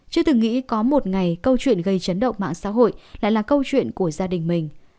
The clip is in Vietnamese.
chứ từng nghĩ có một ngày câu chuyện gây chấn động mạng xã hội lại là câu chuyện của gia đình mình